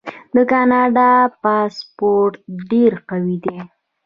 د کاناډا پاسپورت ډیر قوي دی.